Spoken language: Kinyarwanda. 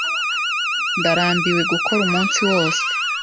Ndarambiwe gukora umunsi wose.